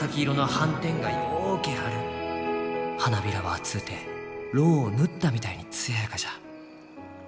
花びらは厚うてロウを塗ったみたいに艶やかじゃ。